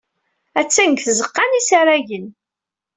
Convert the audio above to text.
Attan deg tzeɣɣa n yisaragen.